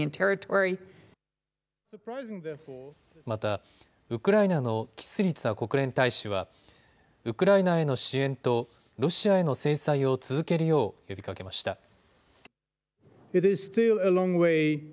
また、ウクライナのキスリツァ国連大使はウクライナへの支援とロシアへの制裁を続けるよう呼びかけました。